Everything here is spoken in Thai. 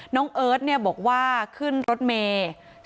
น้องเอิร์ทบอกว่าขึ้นรถเมย์